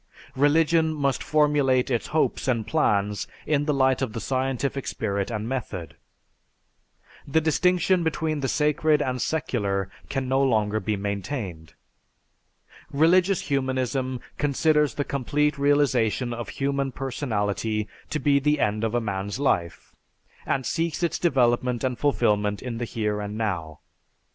"Religion must formulate its hopes and plans in the light of the scientific spirit and method. "The distinction between the sacred and secular can no longer be maintained. "Religious humanism considers the complete realization of human personality to be the end of a man's life, and seeks its development and fulfilment in the here and now.